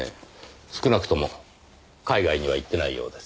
少なくとも海外には行ってないようです。